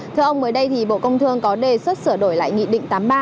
thưa ông mới đây thì bộ công thương có đề xuất sửa đổi lại nghị định tám mươi ba